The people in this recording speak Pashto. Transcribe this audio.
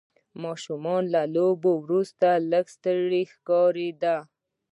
ماشوم له لوبو وروسته لږ ستړی ښکاره کېده.